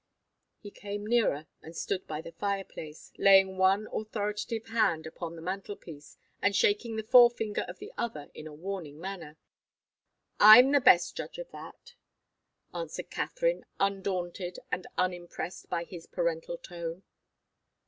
He came nearer and stood by the fireplace, laying one authoritative hand upon the mantelpiece, and shaking the forefinger of the other in a warning manner. "I'm the best judge of that," answered Katharine, undaunted and unimpressed by his parental tone.